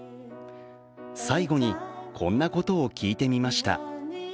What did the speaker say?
最後に、こんなことを聞いてみました。